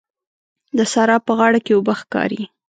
د سارا په غاړه کې اوبه ښکاري.